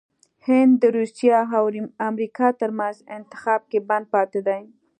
هند دروسیه او امریکا ترمنځ انتخاب کې بند پاتې دی😱